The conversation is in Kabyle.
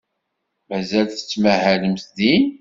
Mazal tettmahalemt din?